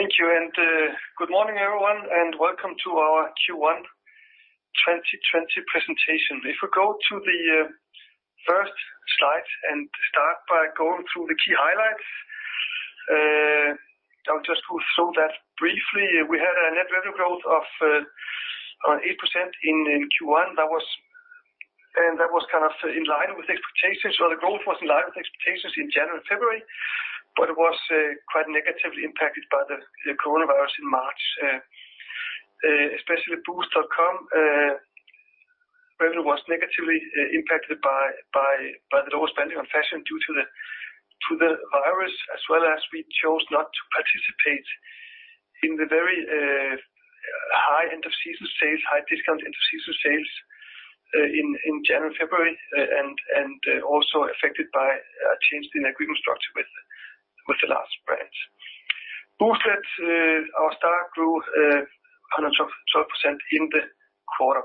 Thank you, and good morning, everyone, and welcome to our Q1 2020 presentation. If we go to the first slide and start by going through the key highlights, I'll just go through that briefly. We had a net revenue growth of 8% in Q1. That was kind of in line with expectations, or the growth was in line with expectations in January and February, but it was quite negatively impacted by the coronavirus in March. Especially Boozt.com, revenue was negatively impacted by the lower spending on fashion due to the virus, as well as we chose not to participate in the very high end-of-season sales, high discount end-of-season sales in January and February, and also affected by a change in agreement structure with the largebrands. Boozt, our stock grew 112% in the quarter.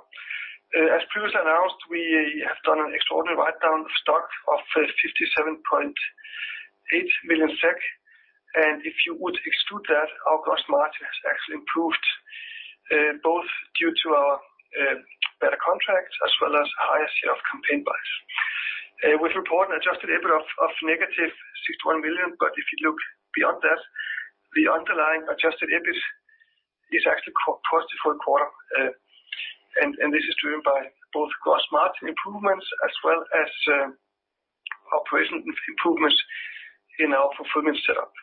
As previously announced, we have done an extraordinary write-down of stock of 57.8 million SEK, and if you would exclude that, our gross margin has actually improved, both due to our better contracts as well as higher share of campaign buys. We've reported an adjusted EBIT of -61 million, but if you look beyond that, the underlying adjusted EBIT is actually positive for the quarter, and this is driven by both gross margin improvements as well as operation improvements in our fulfillment setup.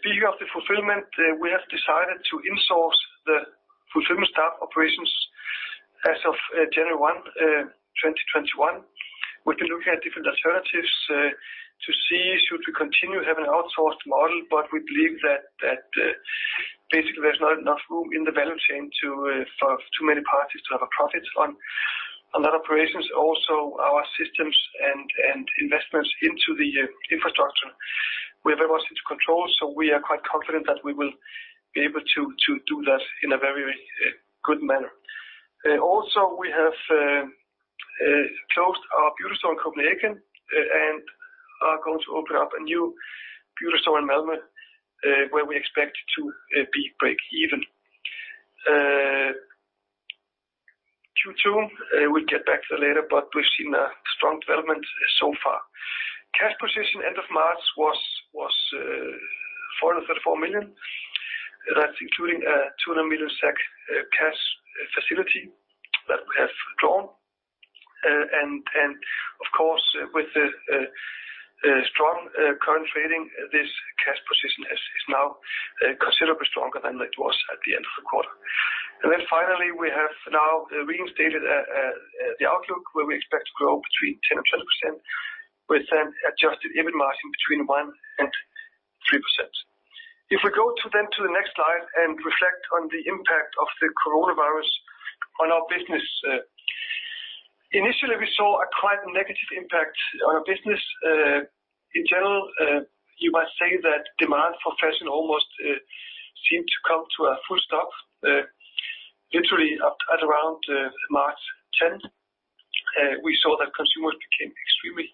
Speaking of the fulfillment, we have decided to insource the fulfillment staff operations as of January 1, 2021. We've been looking at different alternatives to see should we continue having an outsourced model, but we believe that basically there's not enough room in the value chain for too many parties to have a profit on that operations. Also, our systems and investments into the infrastructure we have very much into control, so we are quite confident that we will be able to do that in a very good manner. Also, we have closed our beauty store in Copenhagen and are going to open up a new beauty store in Malmö where we expect to be break-even. Q2, we'll get back to that later, but we've seen strong development so far. Cash position end of March was 434 million. That's including a 200 million SEK cash facility that we have drawn. And of course, with the strong current trading, this cash position is now considerably stronger than it was at the end of the quarter. And then finally, we have now reinstated the outlook where we expect to grow 10%-20% with an Adjusted EBIT margin 1%-3%. If we go then to the next slide and reflect on the impact of the coronavirus on our business, initially we saw a quite negative impact on our business. In general, you might say that demand for fashion almost seemed to come to a full stop. Literally at around March 10, we saw that consumers became extremely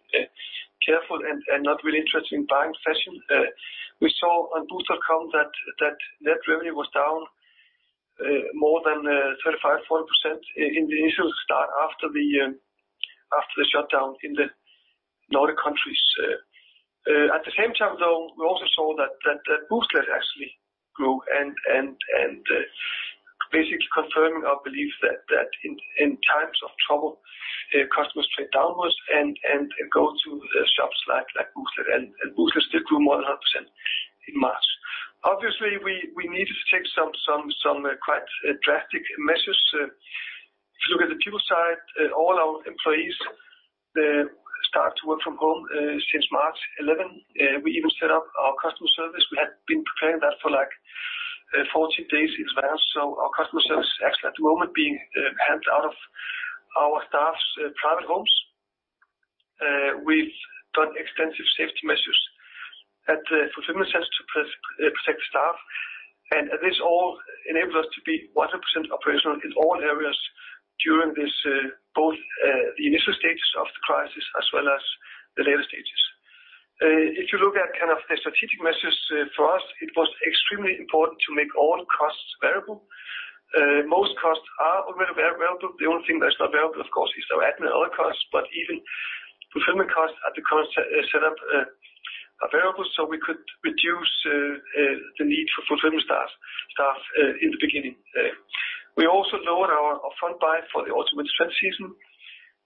careful and not really interested in buying fashion. We saw on Boozt.com that net revenue was down more than 35%-40% in the initial start after the shutdown in the Nordic countries. At the same time, though, we also saw that Booztlet actually grew and basically confirming our belief that in times of trouble, customers trade downwards and go to shops like Booztlet, and Booztlet still grew more than 100% in March. Obviously, we needed to take some quite drastic measures. If you look at the people side, all our employees start to work from home since March 11. We even set up our customer service. We had been preparing that for like 14 days in advance, so our customer service is actually at the moment being handled out of our staff's private homes. We've done extensive safety measures at the fulfillment center to protect the staff, and this all enabled us to be 100% operational in all areas during both the initial stages of the crisis as well as the later stages. If you look at kind of the strategic measures for us, it was extremely important to make all costs variable. Most costs are already variable. The only thing that's not variable, of course, is our admin and other costs, but even fulfillment costs at the current setup are variable, so we could reduce the need for fulfillment staff in the beginning. We also lowered our front buy for the autumn and spring season.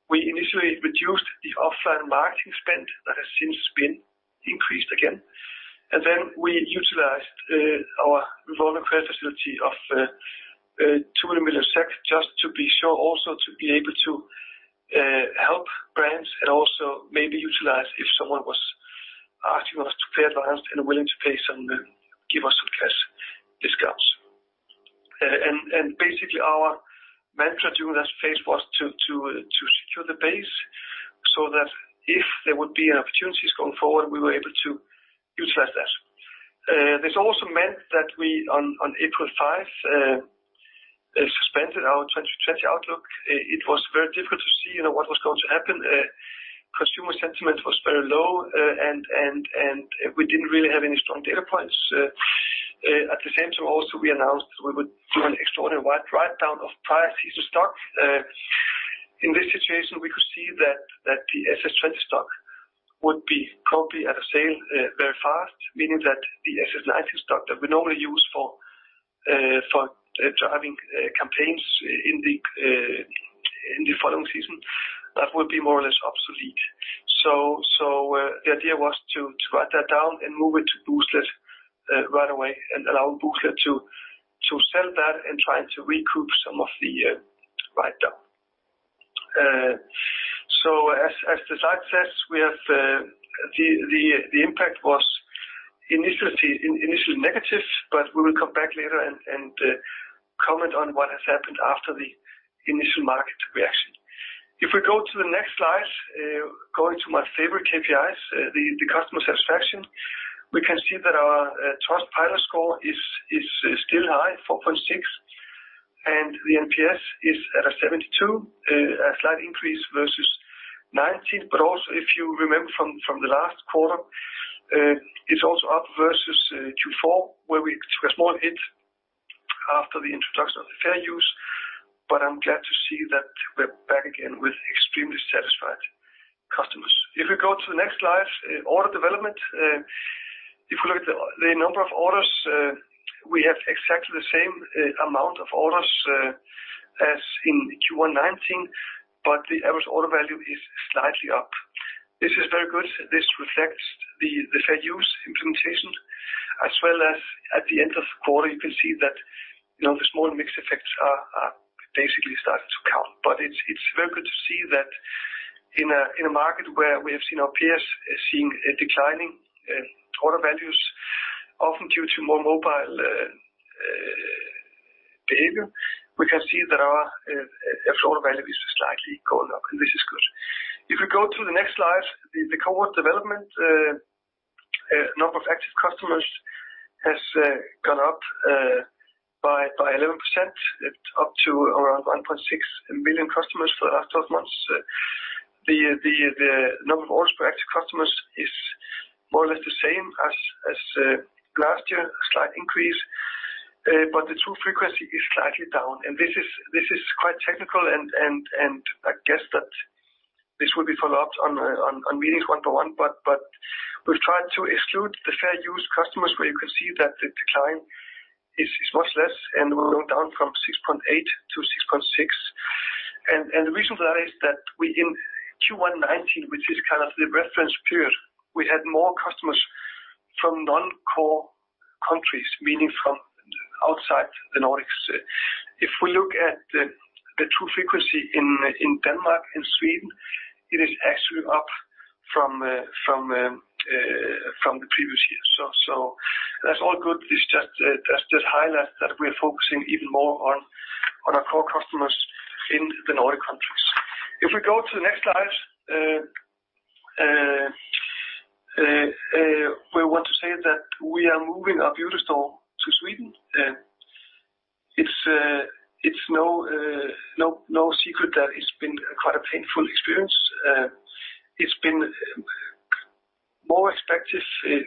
We initially reduced the offline marketing spend that has since been increased again, and then we utilized our revolving credit facility of 200 million SEK just to be sure also to be able to help brands and also maybe utilize if someone was asking us to pay advance and willing to give us some cash discounts. Basically, our mantra during that phase was to secure the base so that if there would be opportunities going forward, we were able to utilize that. This also meant that we on April 5 suspended our 2020 outlook. It was very difficult to see what was going to happen. Consumer sentiment was very low, and we didn't really have any strong data points. At the same time, also, we announced that we would do an extraordinary wide write-down of prior season stock. In this situation, we could see that the SS20 stock would be probably at a sale very fast, meaning that the SS19 stock that we normally use for driving campaigns in the following season, that would be more or less obsolete. So the idea was to write that down and move it to Booztlet right away and allow Booztlet to sell that and try to recoup some of the write-down. So as the slide says, the impact was initially negative, but we will come back later and comment on what has happened after the initial market reaction. If we go to the next slide, going to my favorite KPIs, the customer satisfaction, we can see that our Trustpilot score is still high, 4.6, and the NPS is at a 72, a slight increase versus 2019. But also, if you remember from the last quarter, it's also up versus Q4 where we took a small hit after the introduction of the fair use, but I'm glad to see that we're back again with extremely satisfied customers. If we go to the next slide, order development, if we look at the number of orders, we have exactly the same amount of orders as in Q1 2019, but the average order value is slightly up. This is very good. This reflects the fair use implementation, as well as at the end of the quarter, you can see that the small mix effects are basically starting to count. It's very good to see that in a market where we have seen our peers seeing declining order values, often due to more mobile behavior, we can see that our actual order value is slightly going up, and this is good. If we go to the next slide, the cohort development, number of active customers has gone up by 11%, up to around 1.6 million customers for the last 12 months. The number of orders per active customers is more or less the same as last year, a slight increase, but the true frequency is slightly down. This is quite technical, and I guess that this will be followed up on meetings one by one, but we've tried to exclude the fair use customers where you can see that the decline is much less, and we're going down from 6.8-6.6. The reason for that is that in Q1 2019, which is kind of the reference period, we had more customers from non-core countries, meaning from outside the Nordics. If we look at the true frequency in Denmark and Sweden, it is actually up from the previous year. So that's all good. It's just highlights that we are focusing even more on our core customers in the Nordic countries. If we go to the next slide, we want to say that we are moving our beauty store to Sweden. It's no secret that it's been quite a painful experience. It's been more expensive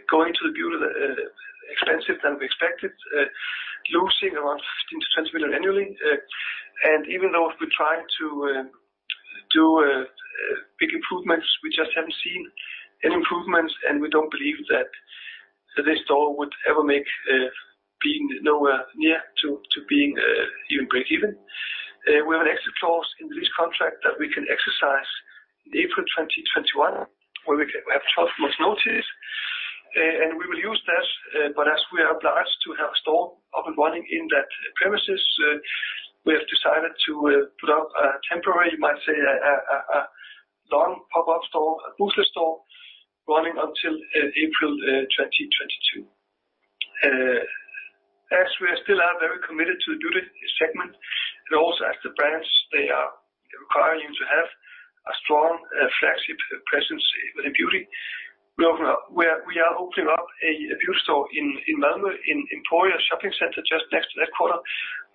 going to the beauty, expensive than we expected, losing around 15 million-20 million annually. And even though we're trying to do big improvements, we just haven't seen any improvements, and we don't believe that this store would ever be nowhere near to being even break-even. We have an exit clause in the lease contract that we can exercise in April 2021 where we have 12 months' notice, and we will use that. But as we are obliged to have a store up and running in that premises, we have decided to put up a temporary, you might say, a long pop-up store, a Booztlet store, running until April 2022. As we are still very committed to the beauty segment and also as the brands, they are requiring you to have a strong flagship presence within beauty, we are opening up a beauty store in Malmö, in Emporia Shopping Center, just next to that quarter.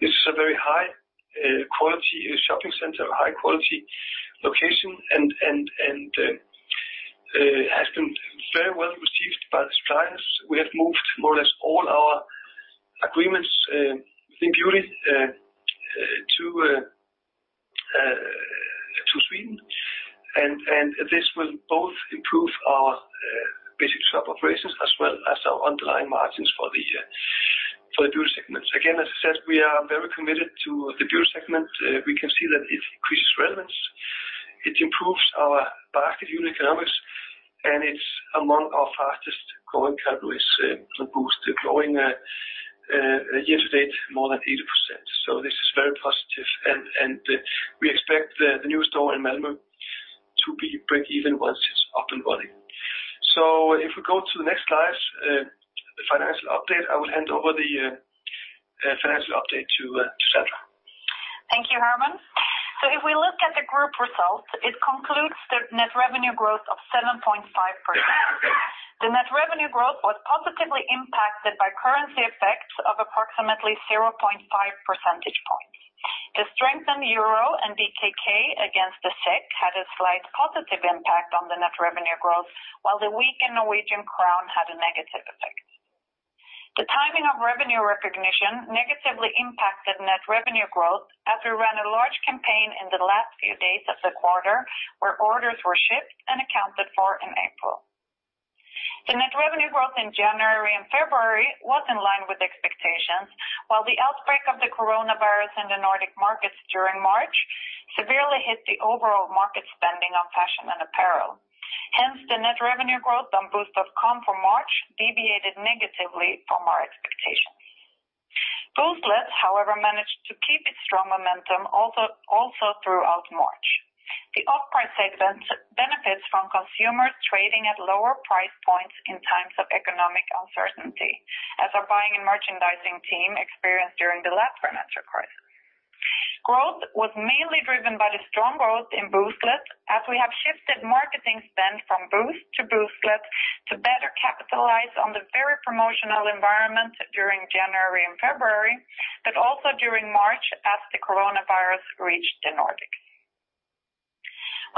This is a very high-quality shopping center, high-quality location, and has been very well received by the suppliers. We have moved more or less all our agreements within beauty to Sweden, and this will both improve our basic shop operations as well as our underlying margins for the beauty segment. Again, as I said, we are very committed to the beauty segment. We can see that it increases relevance, it improves our basket unit economics, and it's among our fastest-growing categories on Boozt, growing year to date more than 80%. So this is very positive, and we expect the new store in Malmö to be break-even once it's up and running. So if we go to the next slide, the financial update, I will hand over the financial update to Sandra. Thank you, Hermann. So if we look at the group results, it concludes the net revenue growth of 7.5%. The net revenue growth was positively impacted by currency effects of approximately 0.5 percentage points. The strengthened euro and DKK against the SEK had a slight positive impact on the net revenue growth, while the weakened Norwegian krone had a negative effect. The timing of revenue recognition negatively impacted net revenue growth as we ran a large campaign in the last few days of the quarter where orders were shipped and accounted for in April. The net revenue growth in January and February was in line with expectations, while the outbreak of the coronavirus in the Nordic markets during March severely hit the overall market spending on fashion and apparel. Hence, the net revenue growth on Boozt.com for March deviated negatively from our expectations. Booztlet, however, managed to keep its strong momentum also throughout March. The off-price segment benefits from consumers trading at lower price points in times of economic uncertainty, as our buying and merchandising team experienced during the last financial crisis. Growth was mainly driven by the strong growth in Booztlet as we have shifted marketing spend from Boozt to Booztlet to better capitalize on the very promotional environment during January and February, but also during March as the coronavirus reached the Nordics.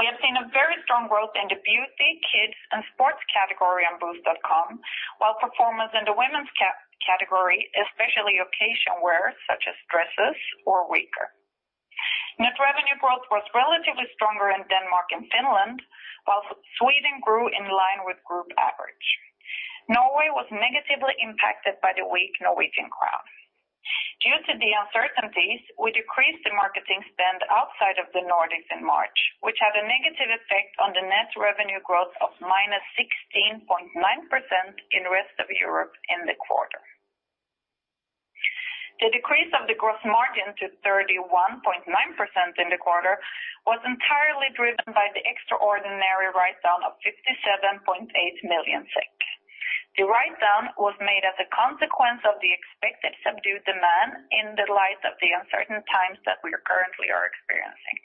We have seen a very strong growth in the beauty, kids, and sports category on Boozt.com, while performance in the women's category, especially occasion wear such as dresses, was weaker. Net revenue growth was relatively stronger in Denmark and Finland, while Sweden grew in line with group average. Norway was negatively impacted by the weak Norwegian crown. Due to the uncertainties, we decreased the marketing spend outside of the Nordics in March, which had a negative effect on the net revenue growth of -16.9% in the rest of Europe in the quarter. The decrease of the gross margin to 31.9% in the quarter was entirely driven by the extraordinary write-down of 57.8 million SEK. The write-down was made as a consequence of the expected subdued demand in the light of the uncertain times that we currently are experiencing.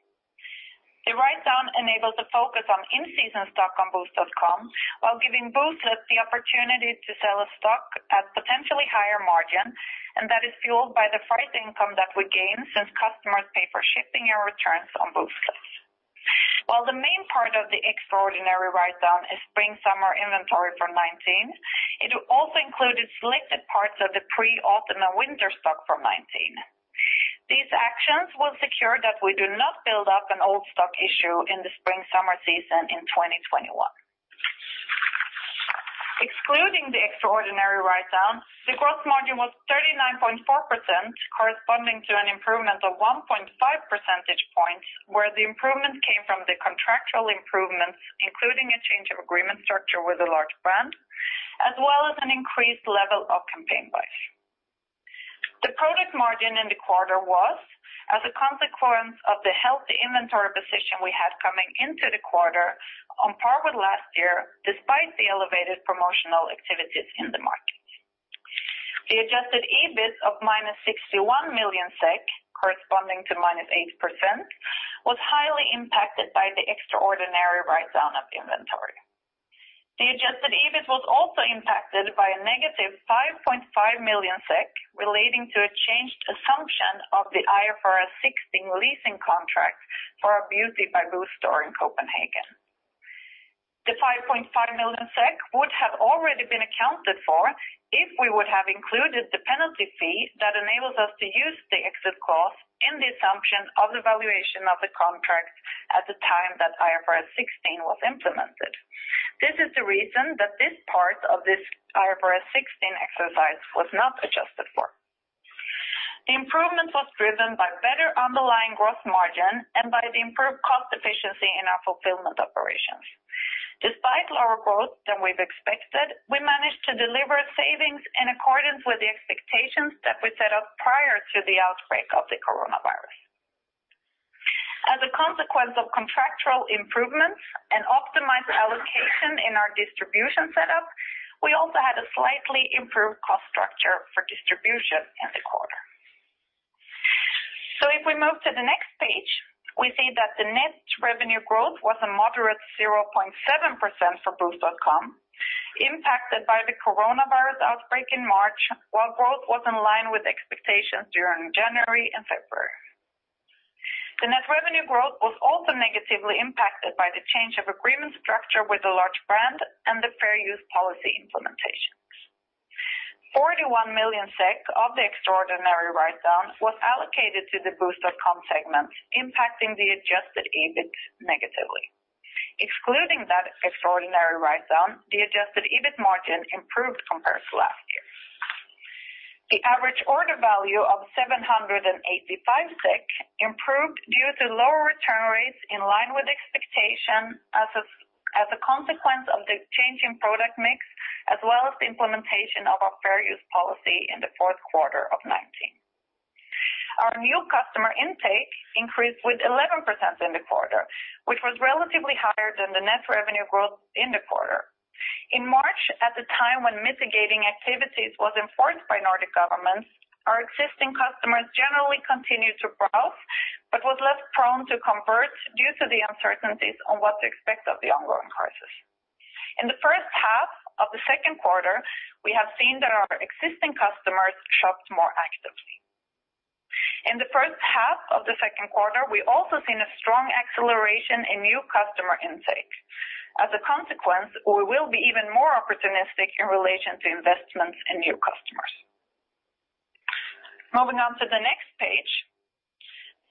The write-down enables a focus on in-season stock on Boozt.com while giving Booztlet the opportunity to sell a stock at potentially higher margin, and that is fueled by the price income that we gain since customers pay for shipping and returns on Booztlet. While the main part of the extraordinary write-down is spring/summer inventory for 2019, it also included selected parts of the pre-autumn and winter stock from 2019. These actions will secure that we do not build up an old stock issue in the spring/summer season in 2021. Excluding the extraordinary write-down, the gross margin was 39.4%, corresponding to an improvement of 1.5 percentage points where the improvement came from the contractual improvements, including a change of agreement structure with a large brand, as well as an increased level of campaign buys. The product margin in the quarter was, as a consequence of the healthy inventory position we had coming into the quarter on par with last year, despite the elevated promotional activities in the markets. The adjusted EBIT of -61 million SEK, corresponding to -8%, was highly impacted by the extraordinary write-down of inventory. The adjusted EBIT was also impacted by a negative -5.5 million SEK relating to a changed assumption of the IFRS 16 leasing contract for our Beauty by Boozt store in Copenhagen. The 5.5 million SEK would have already been accounted for if we would have included the penalty fee that enables us to use the exit clause in the assumption of the valuation of the contract at the time that IFRS 16 was implemented. This is the reason that this part of this IFRS 16 exercise was not adjusted for. The improvement was driven by better underlying gross margin and by the improved cost efficiency in our fulfillment operations. Despite lower growth than we've expected, we managed to deliver savings in accordance with the expectations that we set up prior to the outbreak of the coronavirus. As a consequence of contractual improvements and optimized allocation in our distribution setup, we also had a slightly improved cost structure for distribution in the quarter. So if we move to the next page, we see that the net revenue growth was a moderate 0.7% for Boozt.com, impacted by the coronavirus outbreak in March, while growth was in line with expectations during January and February. The net revenue growth was also negatively impacted by the change of agreement structure with a large brand and the fair use policy implementations. 41 million SEK of the extraordinary write-down was allocated to the Boozt.com segment, impacting the adjusted EBIT negatively. Excluding that extraordinary write-down, the adjusted EBIT margin improved compared to last year. The average order value of 785 improved due to lower return rates in line with expectation as a consequence of the changing product mix as well as the implementation of our fair use policy in the fourth quarter of 2019. Our new customer intake increased with 11% in the quarter, which was relatively higher than the net revenue growth in the quarter. In March, at the time when mitigating activities was enforced by Nordic governments, our existing customers generally continued to browse but were less prone to convert due to the uncertainties on what to expect of the ongoing crisis. In the first half of the second quarter, we have seen that our existing customers shopped more actively. In the first half of the second quarter, we also seen a strong acceleration in new customer intake. As a consequence, we will be even more opportunistic in relation to investments in new customers. Moving on to the next page,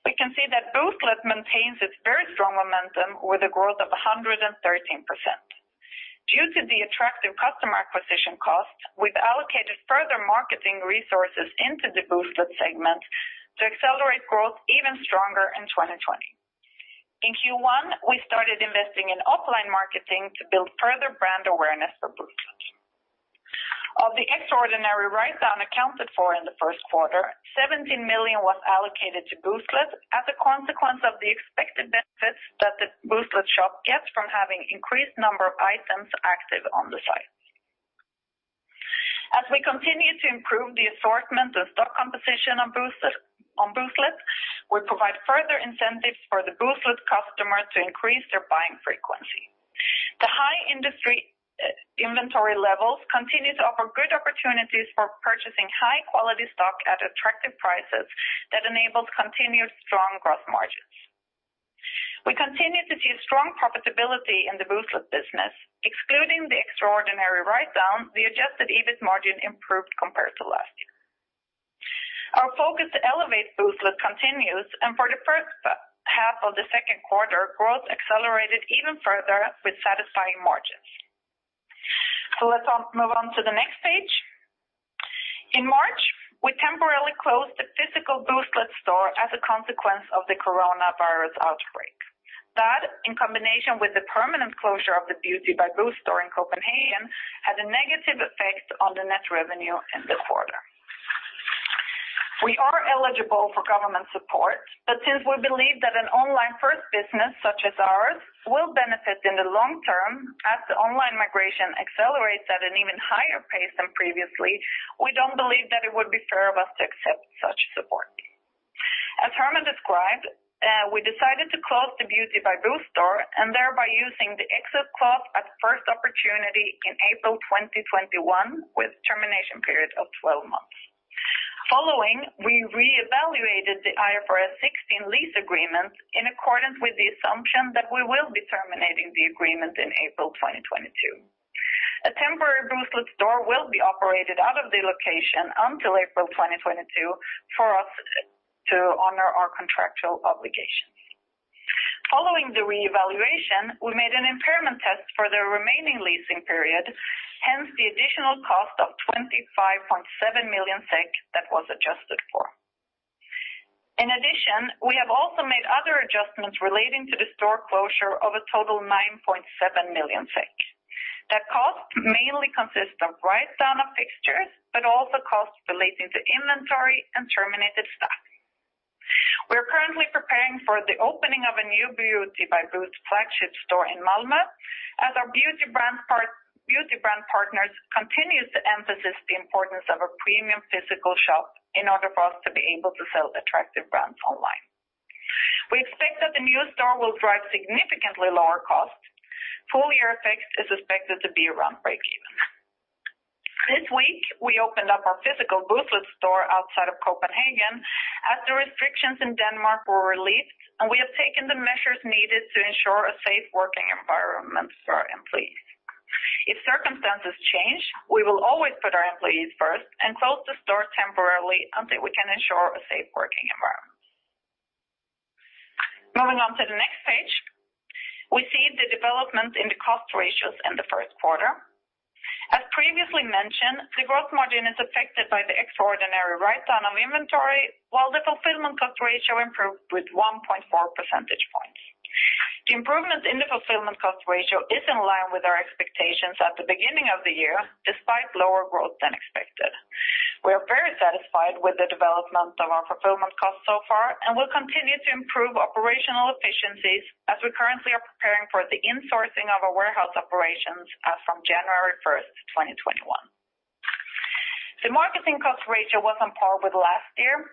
we can see that Booztlet maintains its very strong momentum with a growth of 113%. Due to the attractive customer acquisition cost, we've allocated further marketing resources into the Booztlet segment to accelerate growth even stronger in 2020. In Q1, we started investing in offline marketing to build further brand awareness for Booztlet. Of the extraordinary write-down accounted for in the first quarter, 17 million was allocated to Booztlet as a consequence of the expected benefits that the Booztlet shop gets from having an increased number of items active on the site. As we continue to improve the assortment and stock composition on Booztlet, we provide further incentives for the Booztlet customer to increase their buying frequency. The high industry inventory levels continue to offer good opportunities for purchasing high-quality stock at attractive prices that enable continued strong gross margins. We continue to see strong profitability in the Booztlet business. Excluding the extraordinary write-down, the adjusted EBIT margin improved compared to last year. Our focus to elevate Booztlet continues, and for the first half of the second quarter, growth accelerated even further with satisfying margins. Let's move on to the next page. In March, we temporarily closed the physical Booztlet store as a consequence of the coronavirus outbreak. That, in combination with the permanent closure of the Beauty by Boozt store in Copenhagen, had a negative effect on the net revenue in the quarter. We are eligible for government support, but since we believe that an online first business such as ours will benefit in the long term as the online migration accelerates at an even higher pace than previously, we don't believe that it would be fair of us to accept such support. As Hermann described, we decided to close the Beauty by Boozt store and thereby using the exit clause at first opportunity in April 2021 with termination period of 12 months. Following, we reevaluated the IFRS 16 lease agreement in accordance with the assumption that we will be terminating the agreement in April 2022. A temporary Booztlet store will be operated out of the location until April 2022 for us to honor our contractual obligations. Following the reevaluation, we made an impairment test for the remaining leasing period, hence the additional cost of 25.7 million SEK that was adjusted for. In addition, we have also made other adjustments relating to the store closure of a total of 9.7 million. That cost mainly consists of write-down of fixtures but also costs relating to inventory and terminated stock. We are currently preparing for the opening of a new Beauty by Boozt flagship store in Malmö as our beauty brand partners continue to emphasize the importance of a premium physical shop in order for us to be able to sell attractive brands online. We expect that the new store will drive significantly lower costs. Full year effects are expected to be around break-even. This week, we opened up our physical Booztlet store outside of Copenhagen as the restrictions in Denmark were released, and we have taken the measures needed to ensure a safe working environment for our employees. If circumstances change, we will always put our employees first and close the store temporarily until we can ensure a safe working environment. Moving on to the next page, we see the development in the cost ratios in the first quarter. As previously mentioned, the gross margin is affected by the extraordinary write-down of inventory, while the fulfillment cost ratio improved with 1.4 percentage points. The improvement in the fulfillment cost ratio is in line with our expectations at the beginning of the year despite lower growth than expected. We are very satisfied with the development of our fulfillment costs so far and will continue to improve operational efficiencies as we currently are preparing for the insourcing of our warehouse operations as from January 1st, 2021. The marketing cost ratio was on par with last year.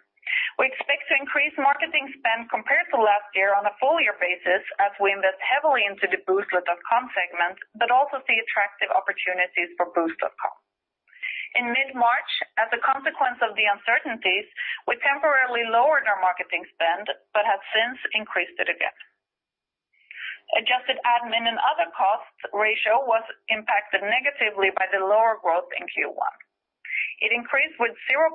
We expect to increase marketing spend compared to last year on a full year basis as we invest heavily into the Booztlet.com segment but also see attractive opportunities for Boozt.com. In mid-March, as a consequence of the uncertainties, we temporarily lowered our marketing spend but have since increased it again. Adjusted admin and other costs ratio was impacted negatively by the lower growth in Q1. It increased with 0.6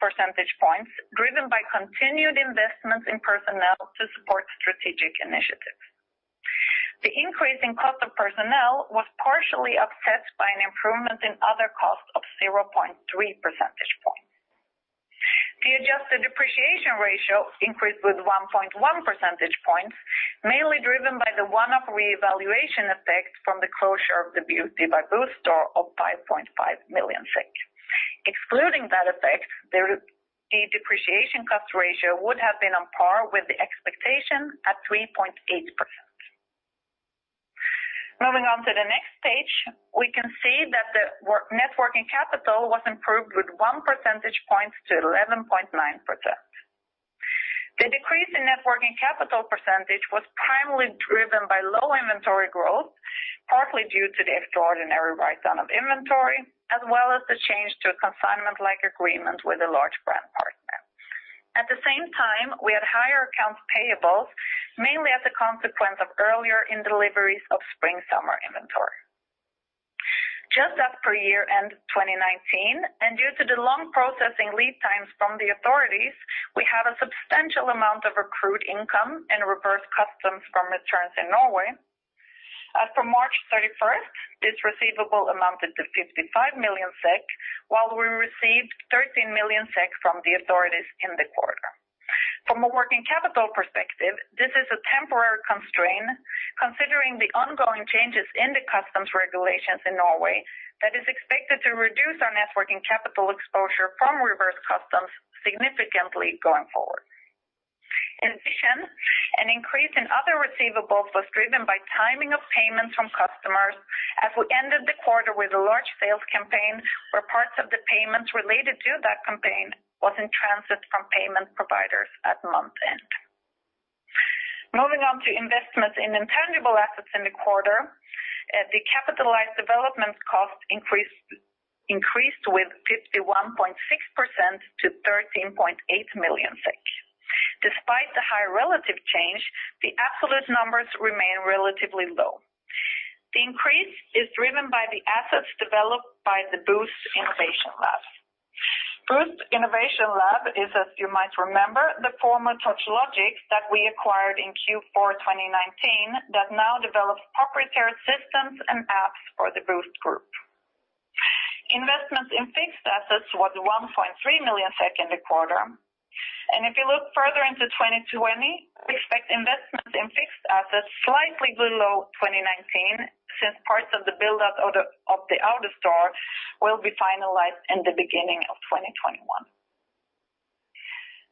percentage points driven by continued investments in personnel to support strategic initiatives. The increase in cost of personnel was partially offset by an improvement in other costs of 0.3 percentage points. The adjusted depreciation ratio increased with 1.1 percentage points, mainly driven by the one-off reevaluation effect from the closure of the Beauty by Boozt store of 5.5 million. Excluding that effect, the depreciation cost ratio would have been on par with the expectation at 3.8%. Moving on to the next page, we can see that the net working capital was improved with 1 percentage point to 11.9%. The decrease in net working capital percentage was primarily driven by low inventory growth, partly due to the extraordinary write-down of inventory as well as the change to a consignment-like agreement with a large brand partner. At the same time, we had higher accounts payables, mainly as a consequence of earlier indeliveries of spring/summer inventory. Just as per year-end 2019 and due to the long processing lead times from the authorities, we have a substantial amount of accrued income and reverse customs from returns in Norway. As for March 31, this receivable amounted to 55 million SEK while we received 13 million SEK from the authorities in the quarter. From a working capital perspective, this is a temporary constraint considering the ongoing changes in the customs regulations in Norway that is expected to reduce our net working capital exposure from reverse customs significantly going forward. In addition, an increase in other receivables was driven by timing of payments from customers as we ended the quarter with a large sales campaign where parts of the payments related to that campaign were in transit from payment providers at month-end. Moving on to investments in intangible assets in the quarter, the capitalized development cost increased with 51.6% to 13.8 million. Despite the high relative change, the absolute numbers remain relatively low. The increase is driven by the assets developed by the Boozt Innovation Lab. Boozt Innovation Lab is, as you might remember, the former Touchlogic that we acquired in Q4 2019 that now develops proprietary systems and apps for the Boozt Group. Investments in fixed assets were 1.3 million in the quarter, and if you look further into 2020, expect investments in fixed assets slightly below 2019 since parts of the buildup of the AutoStore will be finalized in the beginning of 2021.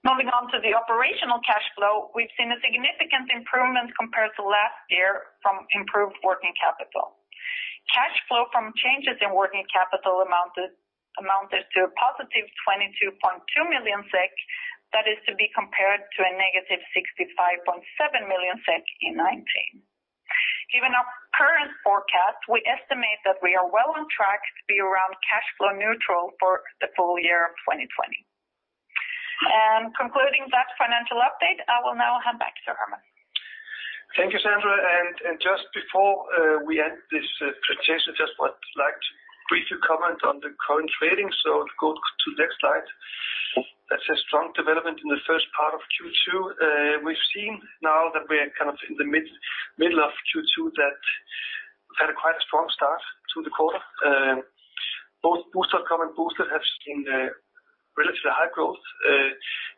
Moving on to the operational cash flow, we've seen a significant improvement compared to last year from improved working capital. Cash flow from changes in working capital amounted to a positive 22.2 million SEK that is to be compared to a negative 65.7 million SEK in 2019. Given our current forecast, we estimate that we are well on track to be around cash flow neutral for the full year of 2020. Concluding that financial update, I will now hand back to Hermann. Thank you, Sandra. Just before we end this, Thiessen just would like to briefly comment on the current trading so to go to the next slide. That's a strong development in the first part of Q2. We've seen now that we're kind of in the middle of Q2 that we've had quite a strong start to the quarter. Both Boozt.com and Booztlet have seen relatively high growth.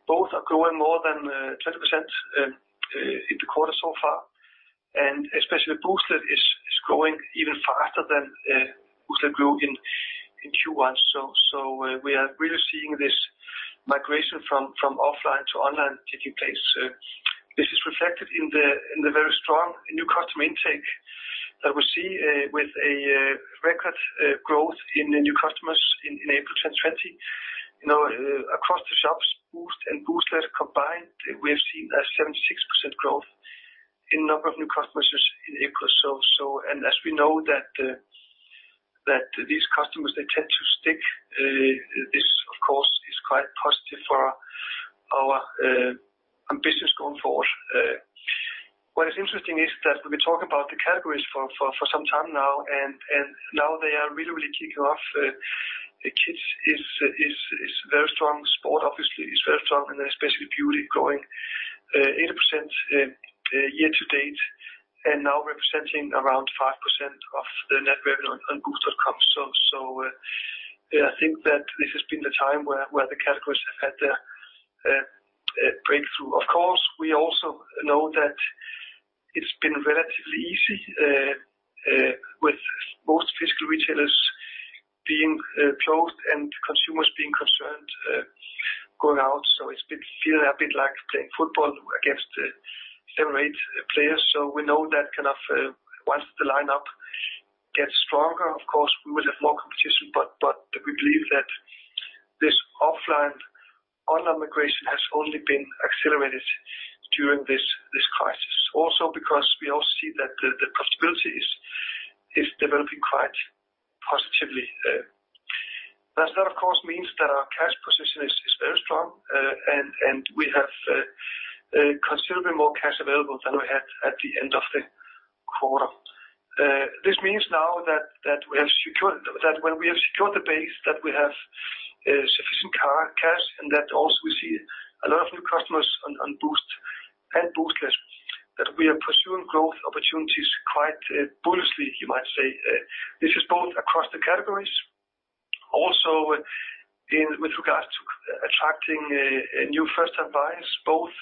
Both are growing more than 20% in the quarter so far, and especially Booztlet is growing even faster than Booztlet grew in Q1. So we are really seeing this migration from offline to online taking place. This is reflected in the very strong new customer intake that we see with a record growth in new customers in April 2020. Across the shops, Boozt and Booztlet combined, we have seen a 76% growth in number of new customers in April. As we know that these customers, they tend to stick, this, of course, is quite positive for our ambitions going forward. What is interesting is that we've been talking about the categories for some time now, and now they are really, really kicking off. Kids is very strong. Sport, obviously, is very strong, and then especially beauty growing 80% year to date and now representing around 5% of the net revenue on Boozt.com. I think that this has been the time where the categories have had their breakthrough. Of course, we also know that it's been relatively easy with most physical retailers being closed and consumers being concerned going out. It's been feeling a bit like playing football against seven or eight players. So we know that kind of once the lineup gets stronger, of course, we will have more competition, but we believe that this offline/online migration has only been accelerated during this crisis also because we also see that the profitability is developing quite positively. That of course means that our cash position is very strong, and we have considerably more cash available than we had at the end of the quarter. This means now that we have secured that when we have secured the base, that we have sufficient cash, and that also we see a lot of new customers on Boozt and Booztlet, that we are pursuing growth opportunities quite bullishly, you might say. This is both across the categories, also with regards to attracting new first-time buyers. Both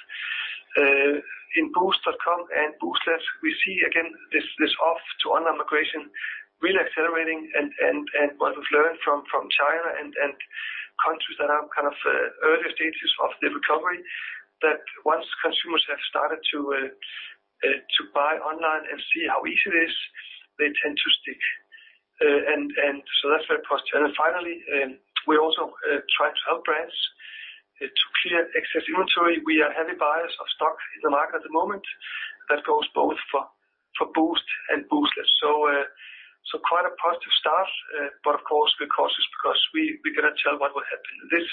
in Boozt.com and Booztlet, we see, again, this off-to-online migration really accelerating. And what we've learned from China and countries that are kind of earlier stages of the recovery, that once consumers have started to buy online and see how easy it is, they tend to stick. And so that's very positive. And finally, we're also trying to help brands to clear excess inventory. We are heavy buyers of stock in the market at the moment that goes both for Boozt and Booztlet. So quite a positive start, but of course, we're cautious because we're going to tell what will happen. This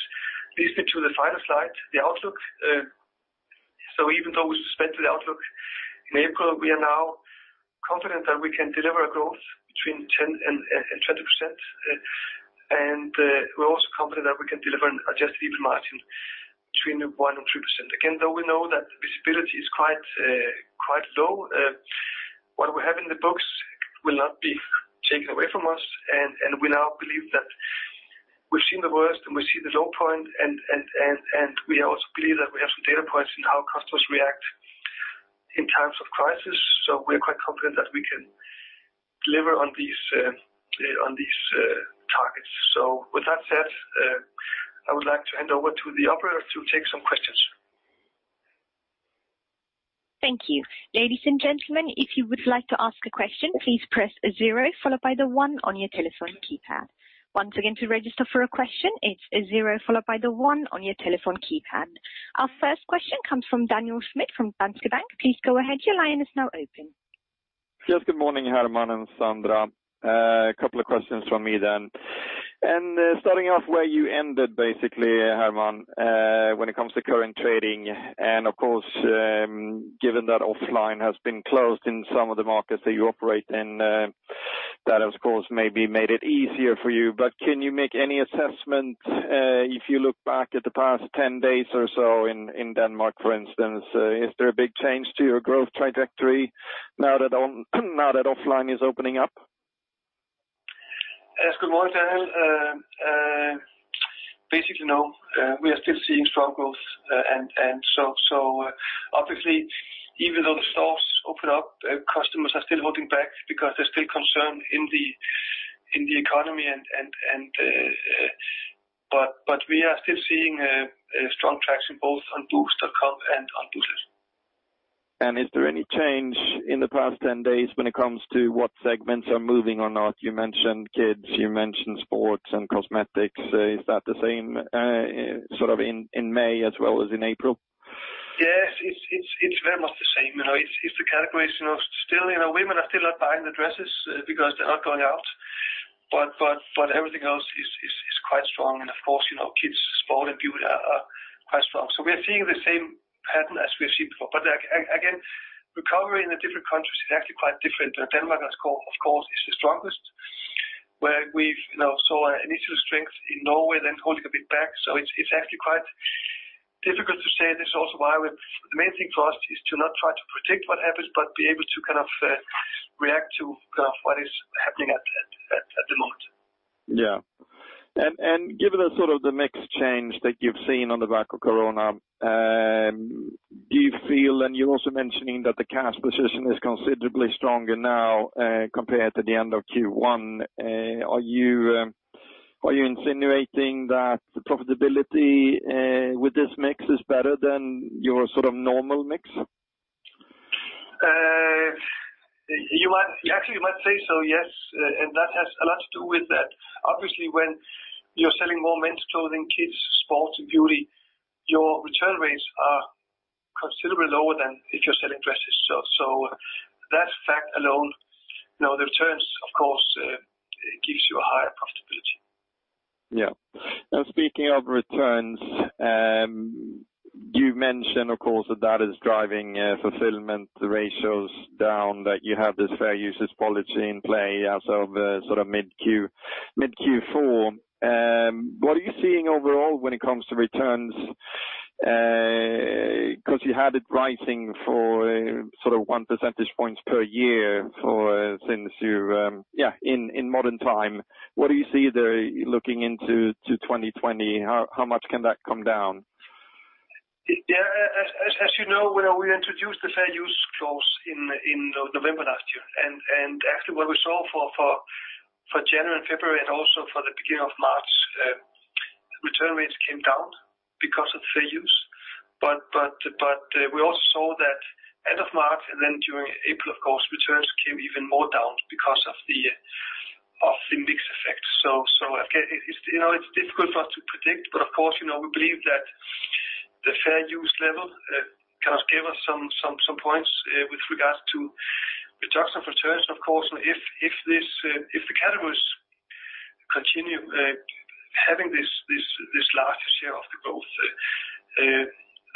leads me to the final slide, the outlook. So even though we suspended the outlook in April, we are now confident that we can deliver a growth between 10%-20%. And we're also confident that we can deliver an adjusted EBIT margin between 1%-3%. Again, though we know that visibility is quite low, what we have in the books will not be taken away from us. We now believe that we've seen the worst, and we've seen the low point. We also believe that we have some data points in how customers react in times of crisis. We are quite confident that we can deliver on these targets. With that said, I would like to hand over to the operators to take some questions. Thank you. Ladies and gentlemen, if you would like to ask a question, please press a zero followed by the one on your telephone keypad. Once again, to register for a question, it's a zero followed by the one on your telephone keypad. Our first question comes from Daniel Schmidt from Danske Bank. Please go ahead. Your line is now open. Yes. Good morning, Hermann and Sandra. A couple of questions from me then. Starting off where you ended, basically, Hermann, when it comes to current trading. Of course, given that offline has been closed in some of the markets that you operate in, that has, of course, maybe made it easier for you. But can you make any assessment if you look back at the past 10 days or so in Denmark, for instance, is there a big change to your growth trajectory now that offline is opening up? Yes. Good morning, Daniel. Basically, no. We are still seeing strong growth. So obviously, even though the stores open up, customers are still holding back because there's still concern in the economy. But we are still seeing strong traction both on Boozt.com and on Booztlet. Is there any change in the past 10 days when it comes to what segments are moving or not? You mentioned kids. You mentioned sports and cosmetics. Is that the same sort of in May as well as in April? Yes. It's very much the same. It's the categories still women are still not buying the dresses because they're not going out. But everything else is quite strong. And of course, kids, sport, and beauty are quite strong. So we are seeing the same pattern as we have seen before. But again, recovery in the different countries, it's actually quite different. Denmark, of course, is the strongest where we've saw initial strength in Norway, then holding a bit back. So it's actually quite difficult to say. This is also why the main thing for us is to not try to predict what happens but be able to kind of react to kind of what is happening at the moment. Yeah. And given sort of the mixed change that you've seen on the back of corona, do you feel, and you're also mentioning that the cash position is considerably stronger now compared to the end of Q1? Are you insinuating that profitability with this mix is better than your sort of normal mix? Actually, you might say so, yes. And that has a lot to do with that. Obviously, when you're selling more men's clothing, kids, sports, and beauty, your return rates are considerably lower than if you're selling dresses. So that fact alone, the returns, of course, gives you a higher profitability. Yeah. And speaking of returns, you mentioned, of course, that that is driving fulfillment ratios down, that you have this fair use policy in play outside of sort of mid-Q4. What are you seeing overall when it comes to returns? Because you had it rising for sort of one percentage points per year since you yeah, in modern time, what do you see there looking into 2020? How much can that come down? Yeah. As you know, we introduced the fair use clause in November last year. And actually, what we saw for January and February and also for the beginning of March, return rates came down because of fair use. But we also saw that end of March and then during April, of course, returns came even more down because of the mix effect. So it's difficult for us to predict. But of course, we believe that the Fair Use Policy kind of gave us some points with regards to reduction of returns, of course. If the categories continue having this larger share of the growth,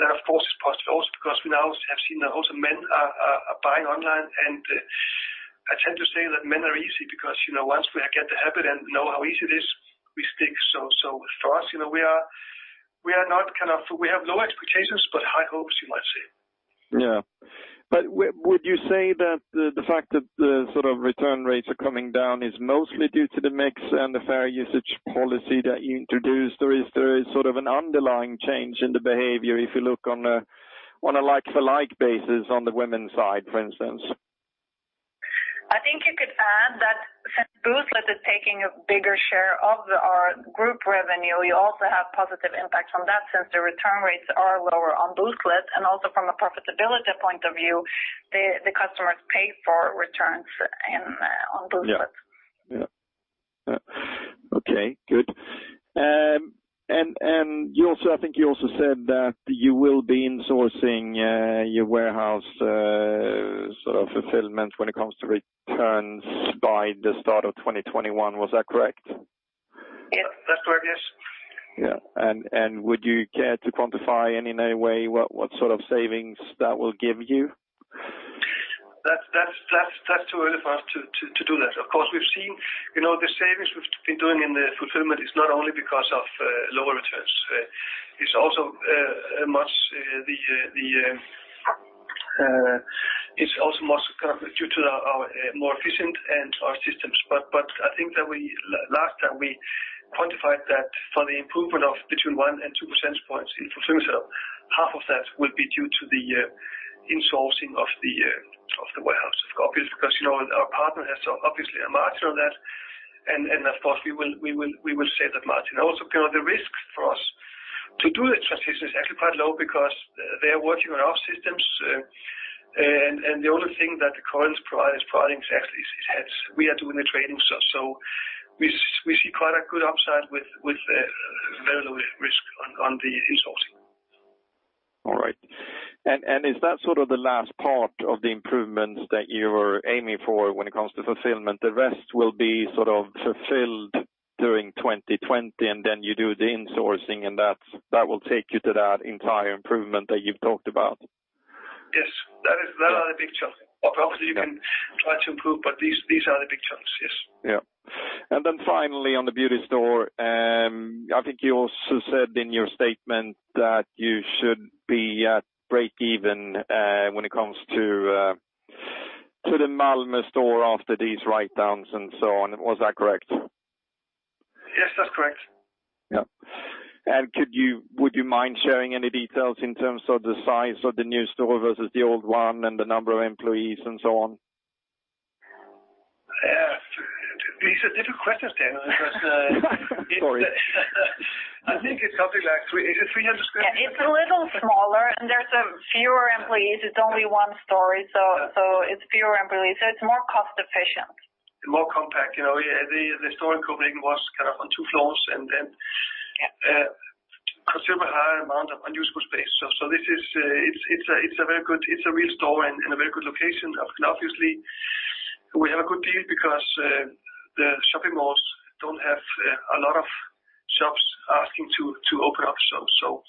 that, of course, is positive also because we now have seen that also men are buying online. And I tend to say that men are easy because once we get the habit and know how easy it is, we stick. So for us, we are not kind of we have low expectations but high hopes, you might say. Yeah. But would you say that the fact that the sort of return rates are coming down is mostly due to the mix and the Fair Use Policy that you introduced? Or is there sort of an underlying change in the behavior if you look on a like-for-like basis on the women's side, for instance? I think you could add that since Booztlet is taking a bigger share of our group revenue, you also have positive impacts from that since the return rates are lower on Booztlet. And also from a profitability point of view, the customers pay for returns on Booztlet. Yeah. Yeah. Yeah. Okay. Good. And I think you also said that you will be insourcing your warehouse sort of fulfillment when it comes to returns by the start of 2021. Was that correct? Yes. That's correct. Yes. Yeah. And would you care to quantify in any way what sort of savings that will give you? That's too early for us to do that. Of course, we've seen the savings we've been doing in the fulfillment is not only because of lower returns. It's also much kind of due to our more efficient and our systems. But I think that last time we quantified that for the improvement of between 1 and 2 percentage points in fulfillment setup, half of that will be due to the insourcing of the warehouse, of course, because our partner has obviously a margin on that. And of course, we will save that margin. Also, the risk for us to do the transition is actually quite low because they are working on our systems. And the only thing that the carriers provide is products actually is we are doing the trading. So we see quite a good upside with very low risk on the insourcing. All right. And is that sort of the last part of the improvements that you were aiming for when it comes to fulfillment? The rest will be sort of fulfilled during 2020, and then you do the insourcing, and that will take you to that entire improvement that you've talked about? Yes. That are the big chunks. Obviously, you can try to improve, but these are the big chunks. Yes. Yeah. And then finally, on the beauty store, I think you also said in your statement that you should be at break-even when it comes to the Malmö store after these write-downs and so on. Was that correct? Yes. That's correct. Yeah. And would you mind sharing any details in terms of the size of the new store versus the old one and the number of employees and so on? Yeah. These are difficult questions, Daniel, because it's. Sorry. I think it's something like 300 sq ft. Yeah. It's a little smaller, and there's fewer employees. It's only one story, so it's fewer employees. So it's more cost-efficient. More compact. The store in Copenhagen was kind of on two floors and considerably higher amount of unusable space. So it's a very good—it's a real store in a very good location. And obviously, we have a good deal because the shopping malls don't have a lot of shops asking to open up. So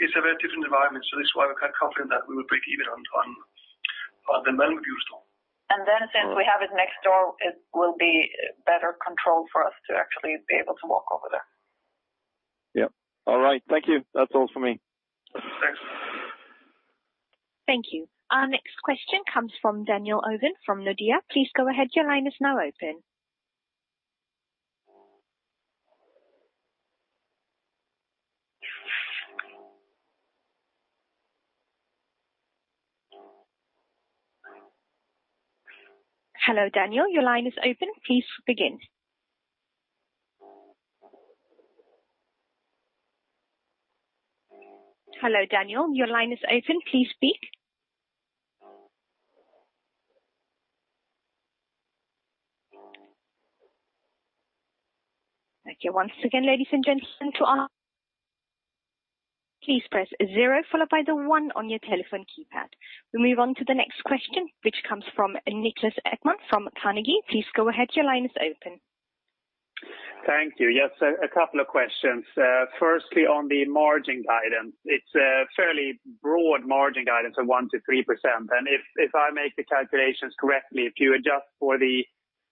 it's a very different environment. So this is why we're quite confident that we will break even on the Malmö beauty store. And then since we have it next door, it will be better controlled for us to actually be able to walk over there. Yep. All right. Thank you. That's all for me. Thanks. Thank you. Our next question comes from Daniel Ovin from Nordea. Please go ahead. Your line is now open. Hello, Daniel. Your line is open. Please begin. Hello, Daniel. Your line is open. Please speak. Thank you. Once again, ladies and gentlemen, to our please press a zero followed by the one on your telephone keypad. We move on to the next question, which comes from Niklas Ekman from Carnegie. Please go ahead. Your line is open. Thank you. Yes. A couple of questions. Firstly, on the margin guidance, it's a fairly broad margin guidance of 1%-3%. And if I make the calculations correctly, if you adjust for the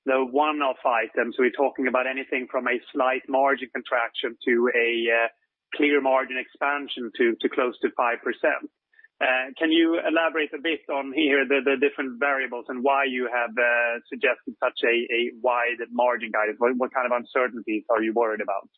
one-off items, we're talking about anything from a slight margin contraction to a clear margin expansion to close to 5%. Can you elaborate a bit on here the different variables and why you have suggested such a wide margin guidance? What kind of uncertainties are you worried about?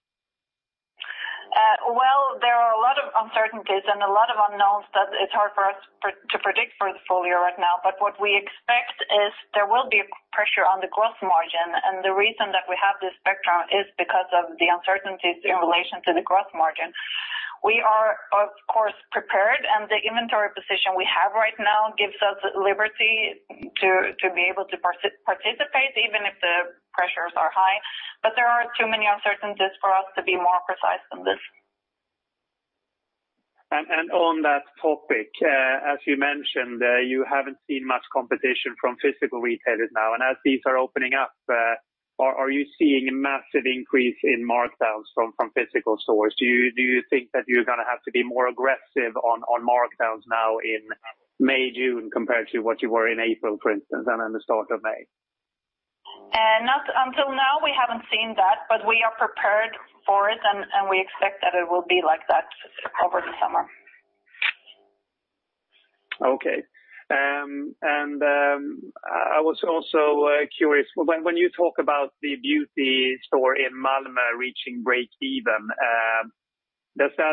Well, there are a lot of uncertainties and a lot of unknowns that it's hard for us to predict for the full year right now. But what we expect is there will be pressure on the gross margin. And the reason that we have this spectrum is because of the uncertainties in relation to the gross margin. We are, of course, prepared. And the inventory position we have right now gives us liberty to be able to participate even if the pressures are high. But there are too many uncertainties for us to be more precise than this. And on that topic, as you mentioned, you haven't seen much competition from physical retailers now. And as these are opening up, are you seeing a massive increase in markdowns from physical stores? Do you think that you're going to have to be more aggressive on markdowns now in May, June compared to what you were in April, for instance, and in the start of May? Not until now. We haven't seen that. But we are prepared for it, and we expect that it will be like that over the summer. Okay. And I was also curious. When you talk about the beauty store in Malmö reaching break-even, basically,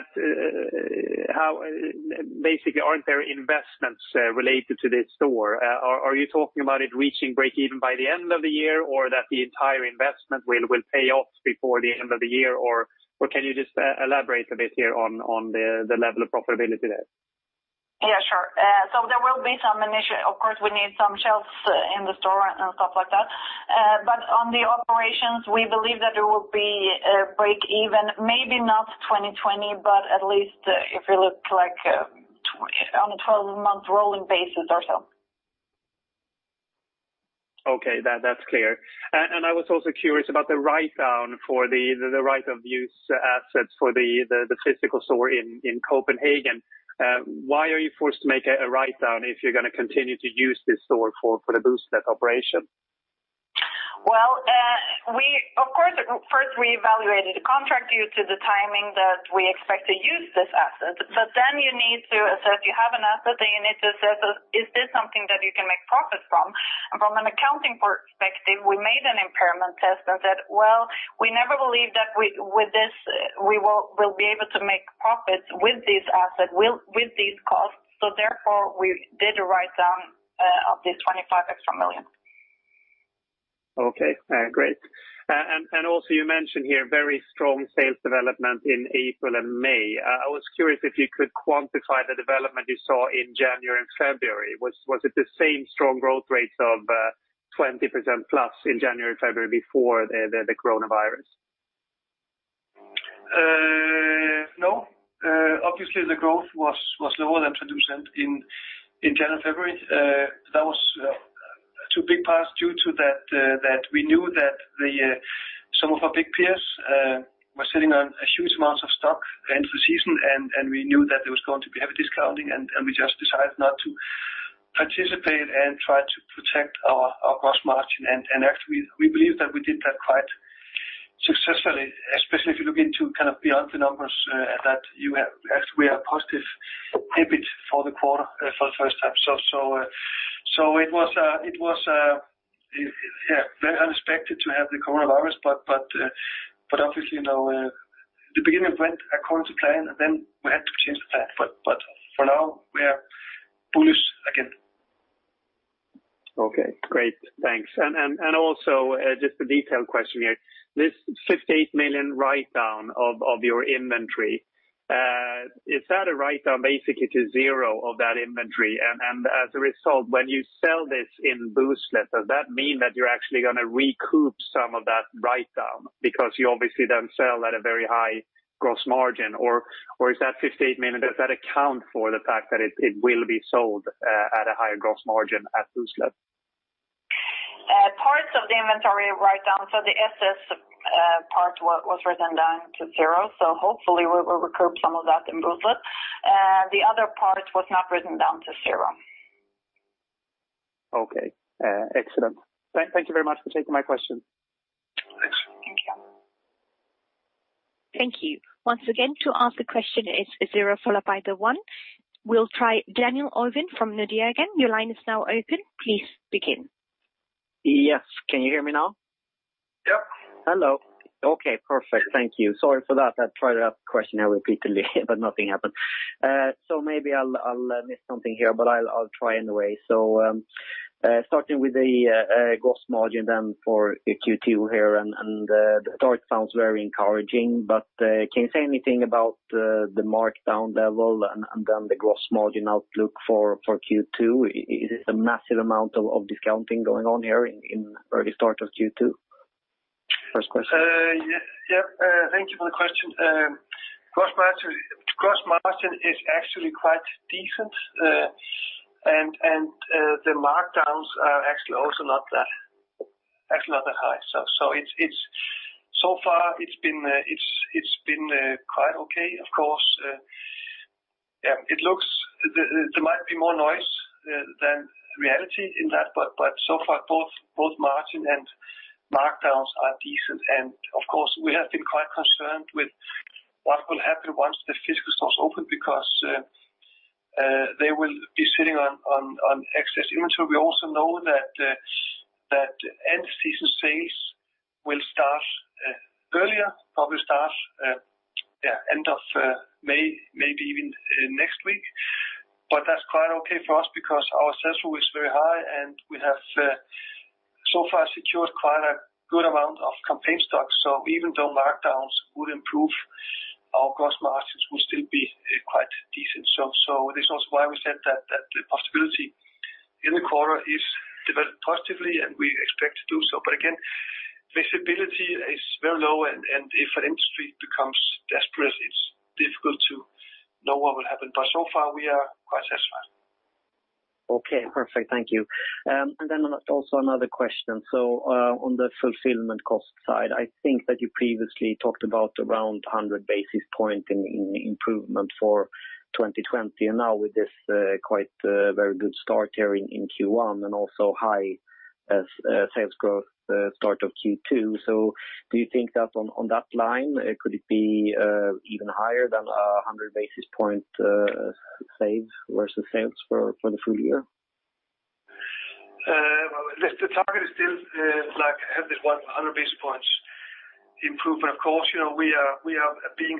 aren't there investments related to this store? Are you talking about it reaching break-even by the end of the year or that the entire investment will pay off before the end of the year? Or can you just elaborate a bit here on the level of profitability there? Yeah. Sure. So there will be some initial of course, we need some shelves in the store and stuff like that. But on the operations, we believe that it will be break-even, maybe not 2020, but at least if you look like on a 12-month rolling basis or so. Okay. That's clear. And I was also curious about the write-down for the right-of-use assets for the physical store in Copenhagen. Why are you forced to make a write-down if you're going to continue to use this store for the Booztlet operation? Well, of course, first, we evaluated the contract due to the timing that we expect to use this asset. But then you need to assess you have an asset, then you need to assess, "Is this something that you can make profit from?" And from an accounting perspective, we made an impairment test and said, "Well, we never believed that with this, we will be able to make profits with this asset, with these costs." So therefore, we did a write-down of these 25 extra million. Okay. Great. And also, you mentioned here very strong sales development in April and May. I was curious if you could quantify the development you saw in January and February. Was it the same strong growth rates of 20% plus in January and February before the coronavirus? No. Obviously, the growth was lower than traditionally in January and February. That was a too big pass due to that we knew that some of our big peers were sitting on huge amounts of stock into the season, and we knew that there was going to be heavy discounting. We just decided not to participate and try to protect our Gross Margin. Actually, we believe that we did that quite successfully, especially if you look into kind of beyond the numbers that you actually we have positive EBIT for the quarter for the first time. So it was, yeah, very unexpected to have the coronavirus. But obviously, the beginning went according to plan, and then we had to change the plan. But for now, we are bullish again. Okay. Great. Thanks. Also, just a detailed question here. This 58 million write-down of your inventory, is that a write-down basically to zero of that inventory? And as a result, when you sell this in Booztlet, does that mean that you're actually going to recoup some of that write-down because you obviously then sell at a very high gross margin? Or is that 58 million, does that account for the fact that it will be sold at a higher gross margin at Booztlet? Parts of the inventory write-down, so the SS part was written down to zero. So hopefully, we will recoup some of that in Booztlet. The other part was not written down to zero. Okay. Excellent. Thank you very much for taking my question. Thanks. Thank you. Thank you. Once again, to ask the question, it's a zero followed by the one. We'll try. Daniel Ovin from Nordea again. Your line is now open. Please begin. Yes. Can you hear me now? Yep. Hello. Okay. Perfect. Thank you. Sorry for that. I tried to ask the question here repeatedly, but nothing happened. So maybe I'll miss something here, but I'll try anyway. So starting with the gross margin then for Q2 here, and the start sounds very encouraging. But can you say anything about the markdown level and then the gross margin outlook for Q2? Is it a massive amount of discounting going on here in early start of Q2? First question. Yep. Thank you for the question. Gross margin is actually quite decent. And the markdowns are actually also not that actually not that high. So so far, it's been quite okay. Of course, yeah, it looks there might be more noise than reality in that. But so far, both margin and markdowns are decent. And of course, we have been quite concerned with what will happen once the physical stores open because they will be sitting on excess inventory. We also know that end-of-season sales will start earlier, probably start, yeah, end of May, maybe even next week. But that's quite okay for us because our sell-through is very high, and we have so far secured quite a good amount of campaign stock. So even though markdowns would improve, our gross margins would still be quite decent. So this is also why we said that the possibility in the quarter is developed positively, and we expect to do so. But again, visibility is very low. And if an industry becomes desperate, it's difficult to know what will happen. But so far, we are quite satisfied. Okay. Perfect. Thank you. And then also another question. So on the fulfillment cost side, I think that you previously talked about around 100 basis point in improvement for 2020. And now with this quite very good start here in Q1 and also high sales growth start of Q2. So do you think that on that line, could it be even higher than 100 basis point save versus sales for the full year? Well, the target is still to have this 100 basis points improvement. Of course, we are being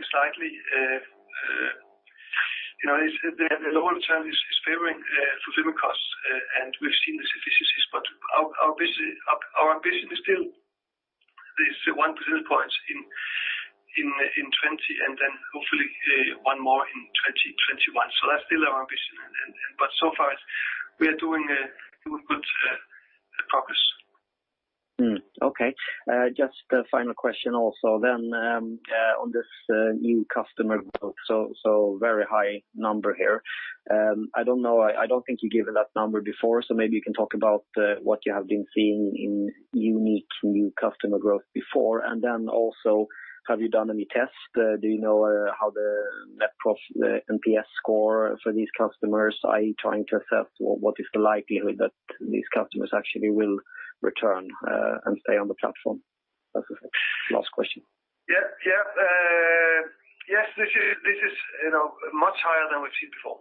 slightly the longer term, it's favoring fulfillment costs, and we've seen this efficiency. But our ambition is still these 1 percentage points in 2020 and then hopefully one more in 2021. So that's still our ambition. But so far, we are doing good progress. Okay. Just the final question also then on this new customer growth, so very high number here. I don't know. I don't think you gave that number before. So maybe you can talk about what you have been seeing in unique new customer growth before. And then also, have you done any tests? Do you know how the Net Promoter NPS score for these customers? I'm trying to assess what is the likelihood that these customers actually will return and stay on the platform. That's the last question. Yep. Yep. Yes. This is much higher than we've seen before.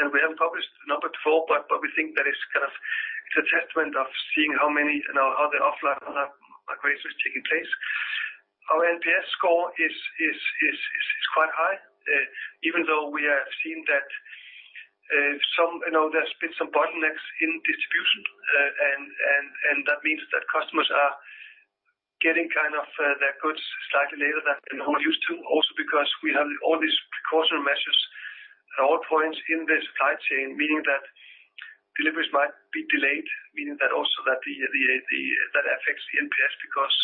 And we haven't published the number before, but we think that it's kind of it's a testament of seeing how many how the offline migration is taking place. Our NPS score is quite high, even though we have seen that there's been some bottlenecks in distribution. That means that customers are getting kind of their goods slightly later than they were used to, also because we have all these precautionary measures at all points in the supply chain, meaning that deliveries might be delayed, meaning that also that affects the NPS because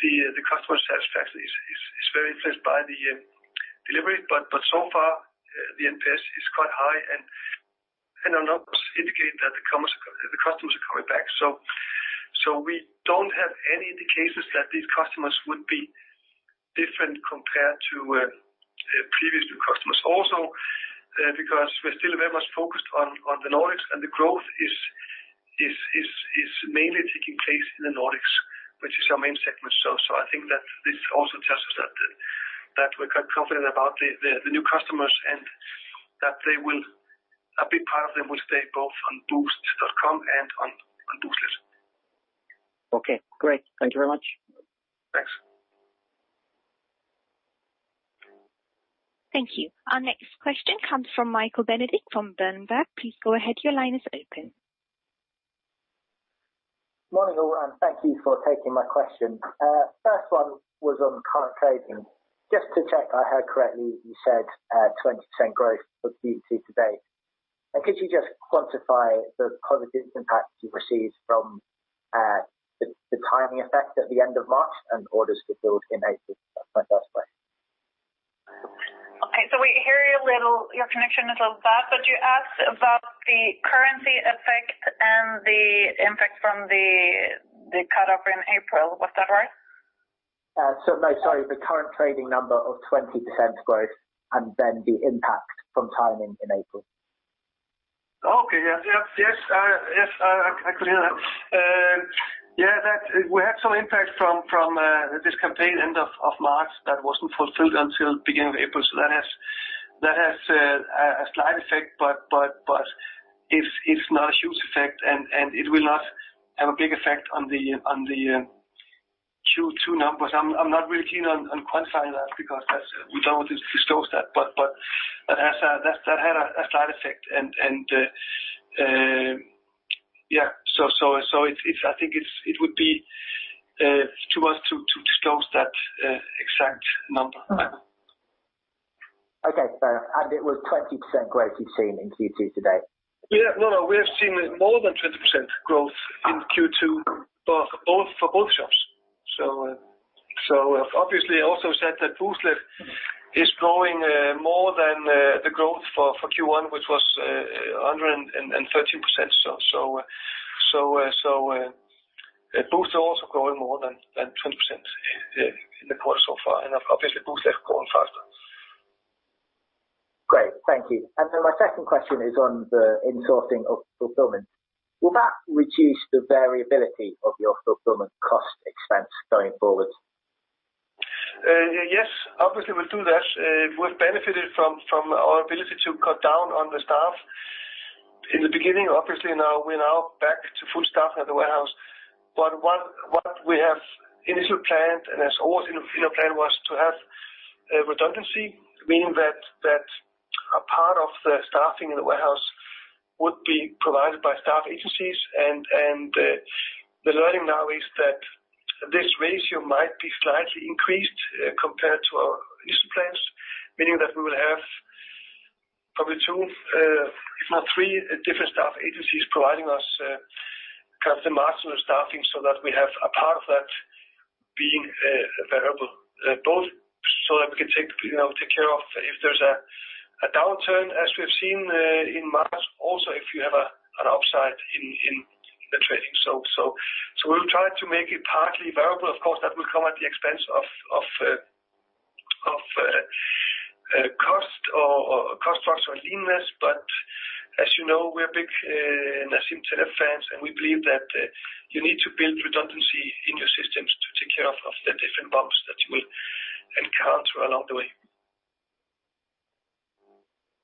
the customer satisfaction is very influenced by the delivery. But so far, the NPS is quite high and our ops indicate that the customers are coming back. So we don't have any indications that these customers would be different compared to previous new customers, also because we're still very much focused on the Nordics, and the growth is mainly taking place in the Nordics, which is our main segment. So I think that this also tells us that we're quite confident about the new customers and that they will a big part of them will stay both on Boozt.com and on Booztlet. Okay. Great. Thank you very much. Thanks. Thank you. Our next question comes from Michael Benedict from Berenberg. Please go ahead. Your line is open. Good morning, everyone. Thank you for taking my question. First one was on current trading. Just to check I heard correctly, you said 20% growth for the B2C today. And could you just quantify the positive impact you received from the timing effect at the end of March and orders fulfilled in April? That's my first question. Okay. So we hear your connection is a little bad, but you asked about the currency effect and the impact from the cut-off in April. Was that right? So no, sorry. The current trading number of 20% growth and then the impact from timing in April. Okay. Yep. Yes. Yes. I could hear that. Yeah. We had some impact from this campaign end of March that wasn't fulfilled until beginning of April. So that has a slight effect, but it's not a huge effect, and it will not have a big effect on the Q2 numbers. I'm not really keen on quantifying that because we don't want to disclose that. But that had a slight effect. And yeah, so I think it would be too much to disclose that exact number. Okay. And it was 20% growth you've seen in Q2 today? Yeah. No, no. We have seen more than 20% growth in Q2 for both shops. So obviously, I also said that Booztlet is growing more than the growth for Q1, which was 113%. So Booztlet is also growing more than 20% in the quarter so far. And obviously, Booztlet is growing faster. Great. Thank you. My second question is on the insourcing of fulfillment. Will that reduce the variability of your fulfillment cost expense going forward? Yes. Obviously, it will do that. We've benefited from our ability to cut down on the staff in the beginning. Obviously, we're now back to full staff at the warehouse. What we have initially planned and has always been a plan was to have redundancy, meaning that a part of the staffing in the warehouse would be provided by staff agencies. And the learning now is that this ratio might be slightly increased compared to our initial plans, meaning that we will have probably two, if not three, different staffing agencies providing us kind of the marginal staffing so that we have a part of that being variable, both so that we can take care of if there's a downturn as we've seen in March, also if you have an upside in the trading. So we'll try to make it partly variable. Of course, that will come at the expense of cost or cost structure and leanness. But as you know, we're a big Nasdaq company, and we believe that you need to build redundancy in your systems to take care of the different bumps that you will encounter along the way.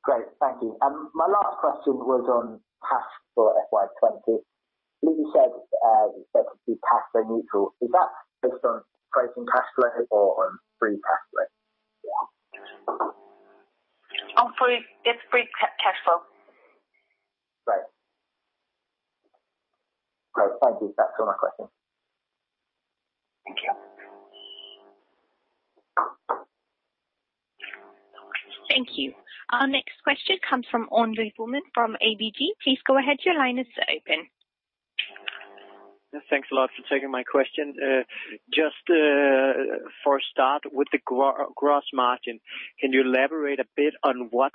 Great. Thank you. And my last question was on cash flow FY20. I believe you said that it would be cash flow neutral. Is that based on trading cash flow or on free cash flow? It's free cash flow. Great. Great. Thank you. That's all my questions. Thank you. Thank you. Our next question comes from Henri Vollman from ABG. Please go ahead. Your line is open. Yes. Thanks a lot for taking my question. Just for a start with the gross margin, can you elaborate a bit on what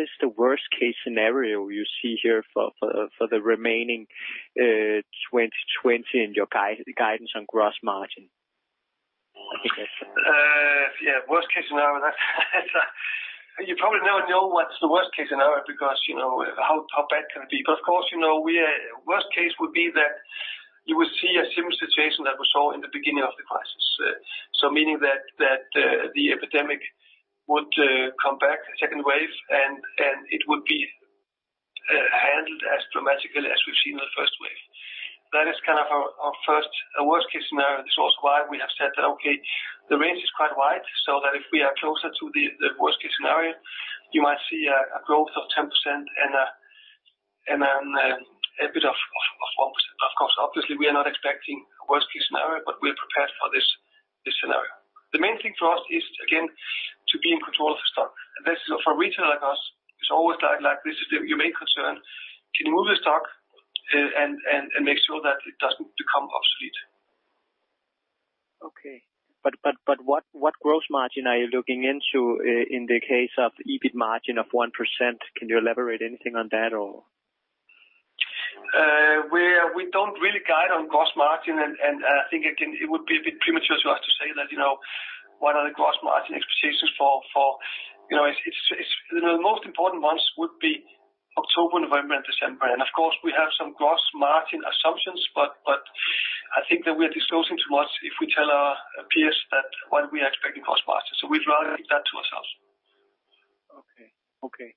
is the worst-case scenario you see here for the remaining 2020 in your guidance on gross margin? Yeah. Worst-case scenario, you probably know what's the worst-case scenario because how bad can it be? But of course, worst-case would be that you would see a similar situation that we saw in the beginning of the crisis, so meaning that the epidemic would come back, second wave, and it would be handled as dramatically as we've seen in the first wave. That is kind of our first worst-case scenario. This is also why we have said that, "Okay, the range is quite wide," so that if we are closer to the worst-case scenario, you might see a growth of 10% and a bit of 1%. Of course, obviously, we are not expecting a worst-case scenario, but we are prepared for this scenario. The main thing for us is, again, to be in control of the stock. For a retailer like us, it's always like this is your main concern. Can you move your stock and make sure that it doesn't become obsolete? Okay. But what gross margin are you looking into in the case of EBIT margin of 1%? Can you elaborate anything on that, or? We don't really guide on gross margin. And I think, again, it would be a bit premature for us to say that what are the gross margin expectations for the most important ones would be October, November, and December. And of course, we have some gross margin assumptions, but I think that we are disclosing too much if we tell our peers what we are expecting gross margin. So we'd rather keep that to ourselves. Okay. Okay.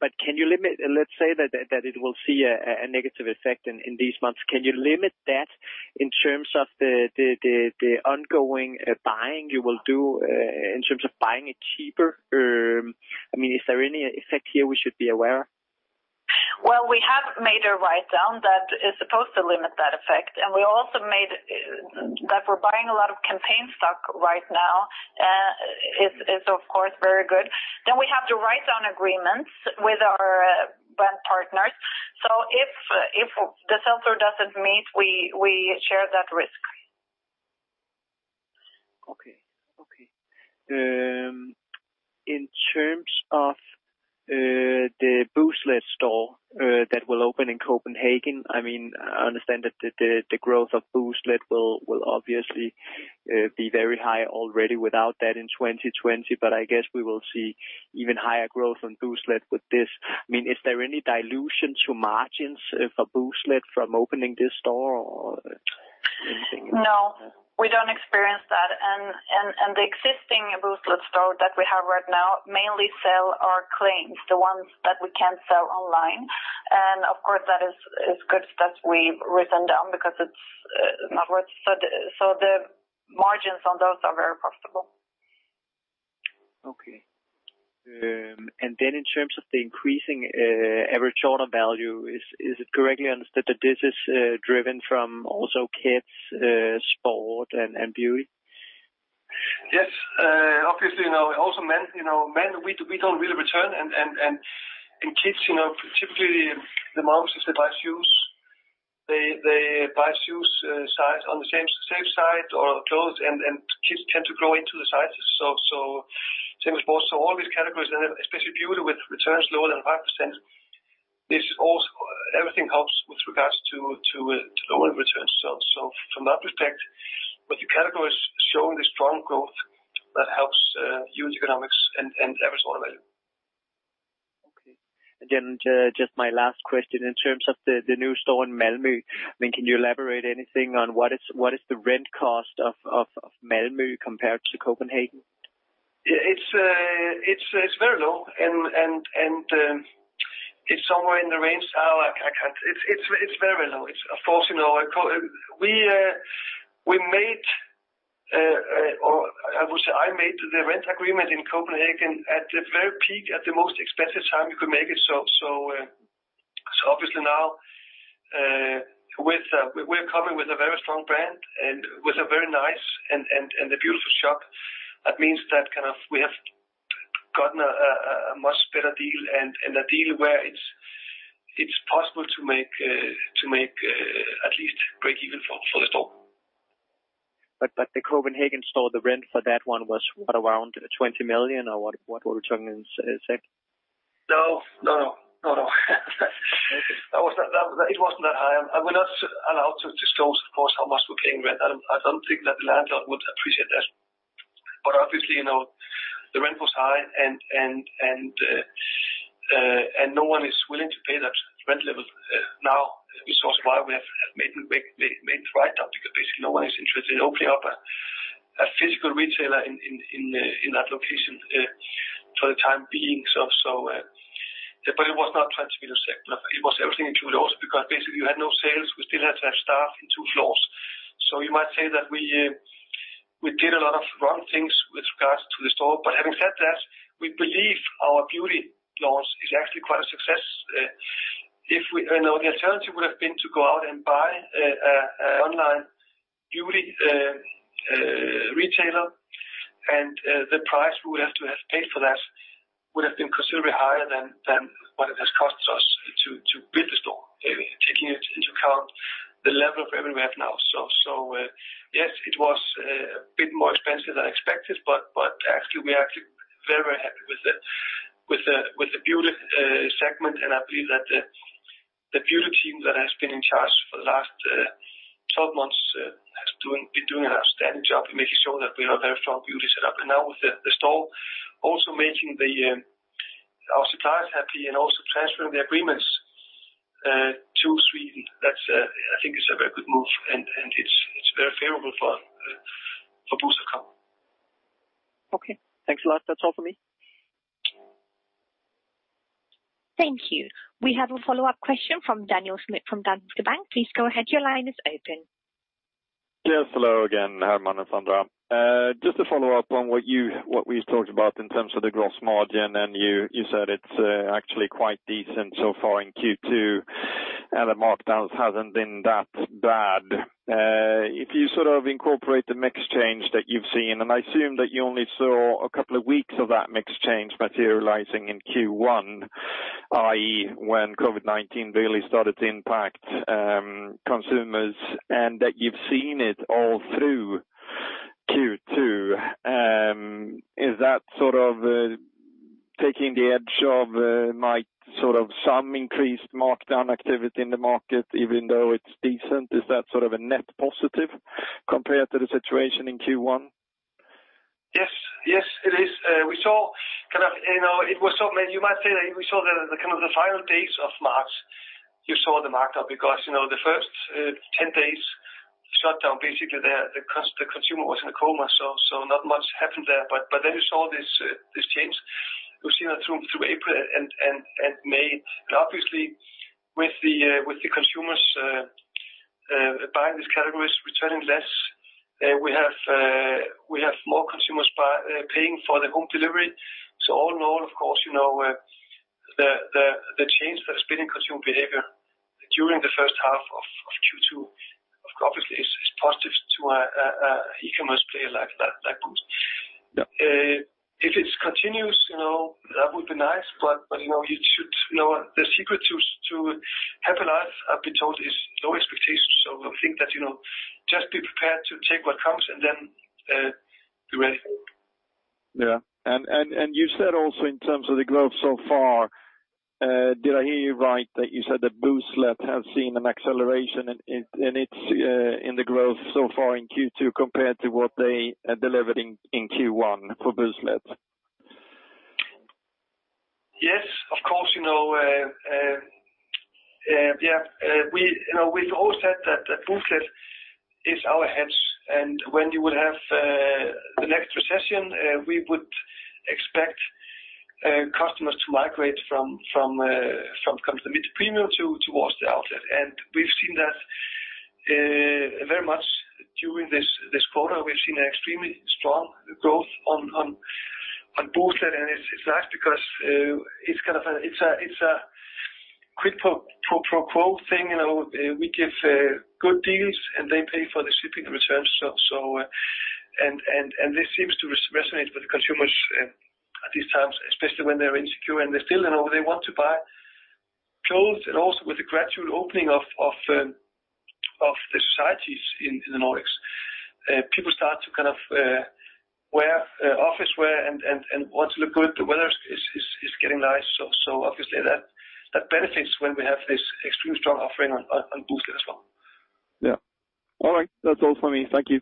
But can you limit let's say that it will see a negative effect in these months. Can you limit that in terms of the ongoing buying you will do in terms of buying it cheaper? I mean, is there any effect here we should be aware of? Well, we have made a write-down that is supposed to limit that effect. We also made that we're buying a lot of campaign stock right now. It's, of course, very good. We have to write down agreements with our brand partners. If the sales order doesn't meet, we share that risk. Okay. Okay. In terms of the Booztlet store that will open in Copenhagen, I mean, I understand that the growth of Booztlet will obviously be very high already without that in 2020, but I guess we will see even higher growth on Booztlet with this. I mean, is there any dilution to margins for Booztlet from opening this store or anything? No. We don't experience that. The existing Booztlet store that we have right now mainly sell our claims, the ones that we can't sell online. Of course, that is good that we've written down because it's not worth so the margins on those are very profitable. Okay. And then, in terms of the increasing average order value, is it correctly understood that this is driven from also kids, sport, and beauty? Yes. Obviously, also men, we don't really return. And in kids, typically, the moms, if they buy shoes, they buy shoe size on the same side or close, and kids tend to grow into the sizes. So same with sports. So all these categories, and especially beauty with returns lower than 5%, everything helps with regards to lowering returns. So from that perspective, with the categories showing this strong growth, that helps unit economics and average order value. Okay. And then just my last question. In terms of the new store in Malmö, I mean, can you elaborate anything on what is the rent cost of Malmö compared to Copenhagen? It's very low. It's somewhere in the range it's very low. Of course, we made or I would say I made the rent agreement in Copenhagen at the very peak, at the most expensive time you could make it. So obviously, now, we're coming with a very strong brand and with a very nice and a beautiful shop. That means that kind of we have gotten a much better deal and a deal where it's possible to make at least break-even for the store. But the Copenhagen store, the rent for that one was what, around 20 million or what were we talking in cents? No. No, no. No, no. It was not high. We're not allowed to disclose, of course, how much we're paying rent. I don't think that the landlord would appreciate that. But obviously, the rent was high, and no one is willing to pay that rent level now, which is also why we have made the write-down because basically, no one is interested in opening up a physical retailer in that location for the time being. But it was not SEK 20 million. It was everything included also because basically, you had no sales. We still had to have staff in two floors. So you might say that we did a lot of wrong things with regards to the store. But having said that, we believe our beauty launch is actually quite a success. The alternative would have been to go out and buy an online beauty retailer, and the price we would have to have paid for that would have been considerably higher than what it has cost us to build the store, taking into account the level of revenue we have now. So yes, it was a bit more expensive than expected, but actually, we are actually very, very happy with the beauty segment. And I believe that the beauty team that has been in charge for the last 12 months has been doing an outstanding job in making sure that we have a very strong beauty setup. And now with the store also making our suppliers happy and also transferring the agreements to Sweden, I think it's a very good move, and it's very favorable for Booztlet company. Okay. Thanks a lot. That's all for me. Thank you. We have a follow-up question from Daniel Schmidt from Danske Bank. Please go ahead. Your line is open. Yes. Hello again, Hermann and Sandra. Just to follow up on what we've talked about in terms of the gross margin, and you said it's actually quite decent so far in Q2, and the markdowns haven't been that bad. If you sort of incorporate the mix change that you've seen, and I assume that you only saw a couple of weeks of that mix change materializing in Q1, i.e., when COVID-19 really started to impact consumers, and that you've seen it all through Q2, is that sort of taking the edge off might sort of some increased markdown activity in the market even though it's decent? Is that sort of a net positive compared to the situation in Q1? Yes. Yes, it is. We saw kind of it was so you might say that we saw kind of the final days of March. You saw the markdown because the first 10 days, shutdown, basically, the consumer was in a coma, so not much happened there. But then you saw this change. We've seen it through April and May. And obviously, with the consumers buying these categories, returning less, we have more consumers paying for the home delivery. So all in all, of course, the change that has been in consumer behavior during the first half of Q2, obviously, is positive to an e-commerce player like Boozt. If it continues, that would be nice, but you should know the secret to happy life, I've been told, is low expectations. So I think that just be prepared to take what comes and then be ready. Yeah. You said also in terms of the growth so far, did I hear you right that you said that Booztlet has seen an acceleration in the growth so far in Q2 compared to what they delivered in Q1 for Booztlet? Yes. Of course. Yeah. We've always said that Booztlet is our hedge. And when you would have the next recession, we would expect customers to migrate from kind of the mid to premium towards the outlet. And we've seen that very much during this quarter. We've seen an extremely strong growth on Booztlet, and it's nice because it's kind of a quid pro quo thing. We give good deals, and they pay for the shipping and returns. And this seems to resonate with the consumers at these times, especially when they're insecure. And they still know they want to buy clothes. Also with the gradual opening of the societies in the Nordics, people start to kind of wear office wear and want to look good. The weather is getting nice. Obviously, that benefits when we have this extremely strong offering on Booztlet as well. Yeah. All right. That's all for me. Thank you.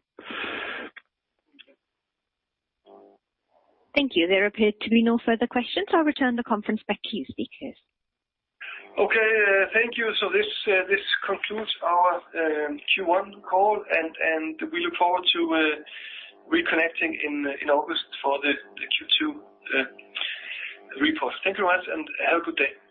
Thank you. There appear to be no further questions. I'll return the conference back to you, speakers. Okay. Thank you. This concludes our Q1 call, and we look forward to reconnecting in August for the Q2 report. Thank you very much, and have a good day.